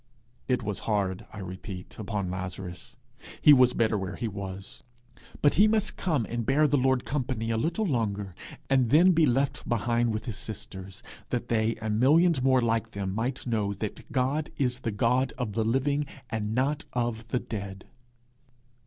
It was hard, I repeat, upon Lazarus; he was better where he was; but he must come and bear the Lord company a little longer, and then be left behind with his sisters, that they and millions more like them might know that God is the God of the living, and not of the dead.